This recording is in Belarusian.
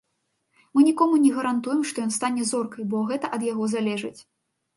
Мы нікому не гарантуем, што ён стане зоркай, бо гэта ад яго залежыць.